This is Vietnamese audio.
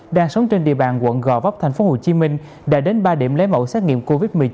đang sống trên địa bàn quận gò vấp tp hcm đã đến ba điểm lấy mẫu xét nghiệm covid một mươi chín